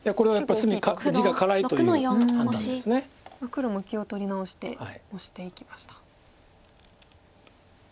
黒も気を取り直してオシていきました。